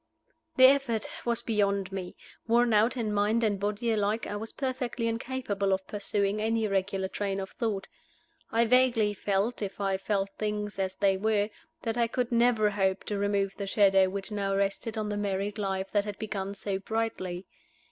The effort was beyond me. Worn out in mind and body alike, I was perfectly incapable of pursuing any regular train of thought. I vaguely felt if I left things as they were that I could never hope to remove the shadow which now rested on the married life that had begun so brightly.